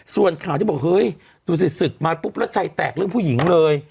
ส่วนข่าวที่บอกเฮ้ยดูสิศึกมาปุ๊บแล้วใจแตกเรื่องผู้หญิงเลย